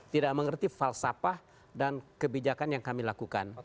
tidak mengerti falsafah dan kebijakan yang kami lakukan